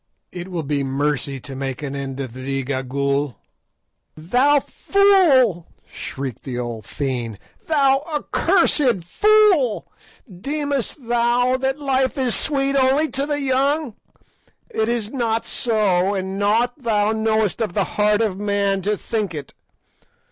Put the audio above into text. It will be mercy to make an end of thee, Gagool." "Thou fool," shrieked the old fiend, "thou accursed fool, deemest thou that life is sweet only to the young? It is not so, and naught thou knowest of the heart of man to think it.